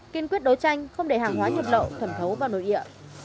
kiên quyết đấu tranh không để hàng hóa nhập lậu thẩm thấu vào nội địa